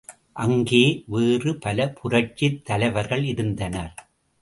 அங்கே வேறு பல புரட்சித் தலைவர்கள் இருந்தனர்.